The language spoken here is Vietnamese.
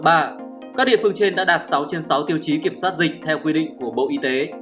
các địa phương trên đã đạt sáu trên sáu tiêu chí kiểm soát dịch theo quy định của bộ y tế